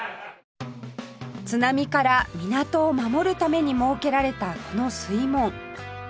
津波から港を守るために設けられたこの水門